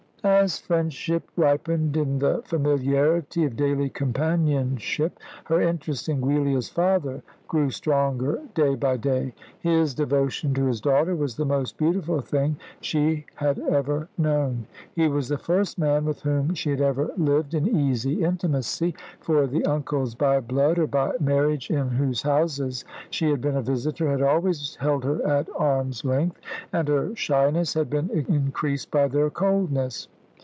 As friendship ripened in the familiarity of daily companionship, her interest in Giulia's father grew stronger day by day. His devotion to his daughter was the most beautiful thing she had ever known. He was the first man with whom she had ever lived in easy intimacy for the uncles by blood or by marriage in whose houses she had been a visitor had always held her at arm's length, and her shyness had been increased by their coldness.